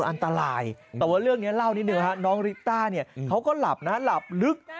อันตรายแต่ว่าเรื่องนี้เล่านิดนึงฮะน้องริต้าเนี่ยเขาก็หลับนะหลับลึก